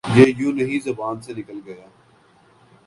یہ یونہی زبان سے نکل گیا